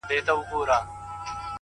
سالم فکر سالم ژوند جوړوي؛